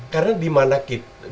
karena dimana kita